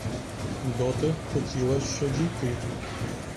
Доти хотіла ще дійти.